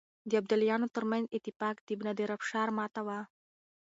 د ابدالیانو ترمنځ اتفاق د نادرافشار ماته وه.